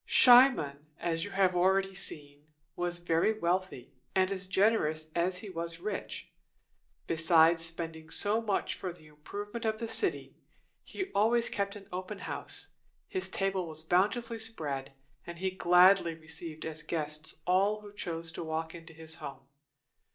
Cimon, as you have already seen, was very wealthy, and as generous as he was rich. Besides spending so much for the improvement of the city, he always kept an open house. His table was bountifully spread, and he gladly received as guests all who chose to walk into his home.